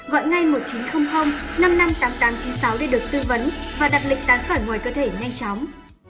gọi ngay một nghìn chín trăm linh năm mươi năm tám nghìn tám trăm chín mươi sáu để được tư vấn và đặt lịch tán sỏi ngoài cơ thể nhanh chóng